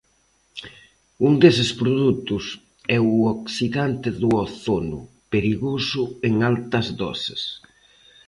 Un deses produtos é o oxidante do ozono, perigoso en altas doses.